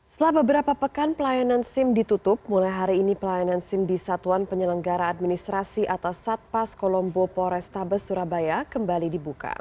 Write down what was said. setelah beberapa pekan pelayanan sim ditutup mulai hari ini pelayanan sim di satuan penyelenggara administrasi atau satpas kolombo porestabes surabaya kembali dibuka